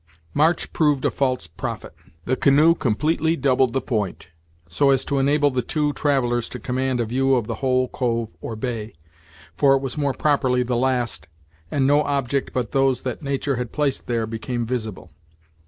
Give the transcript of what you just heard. March proved a false prophet. The canoe completely doubled the point, so as to enable the two travellers to command a view of the whole cove or bay, for it was more properly the last, and no object, but those that nature had placed there, became visible.